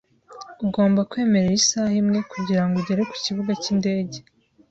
Ugomba kwemerera isaha imwe kugirango ugere kukibuga cyindege .